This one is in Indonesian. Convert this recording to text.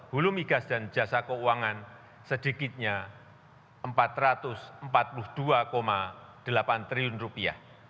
hulumigas dan jasa keuangan sedikitnya rp empat ratus empat puluh dua delapan triliun